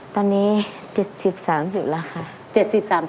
ตอนนี้๗๐๓๐แล้วค่ะ